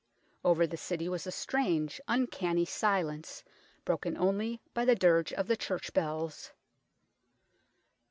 Over the city was a strange, uncanny silence, broken only by the dirge of the church bells.